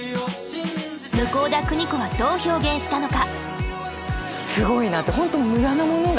向田邦子はどう表現したのか。